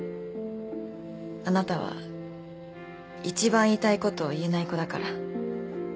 「あなたは一番言いたいことを言えない子だから」